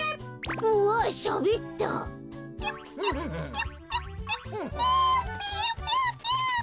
ピヨピヨピヨピヨピヨ！